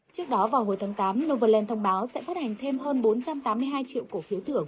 trước đó vào hồi tháng tám novaland thông báo sẽ phát hành thêm hơn bốn trăm tám mươi hai triệu cổ phiếu thưởng